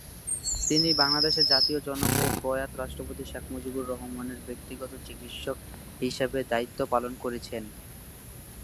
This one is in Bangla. তিনি বাংলাদেশের জাতির জনক ও প্রয়াত রাষ্ট্রপতি শেখ মুজিবুর রহমানের ব্যক্তিগত চিকিৎসক হিসাবে দায়িত্ব পালন করেছেন।